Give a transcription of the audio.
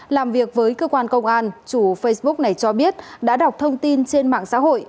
làm việc với cơ quan công an chủ facebook này cho biết đã đọc thông tin trên mạng xã hội